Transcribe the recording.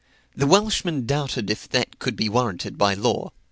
The Welshman doubted if that could be warranted by law.